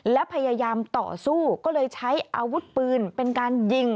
และพยายามต่อสู้ก็เลยใช้อาวุธปืนเป็นการยิง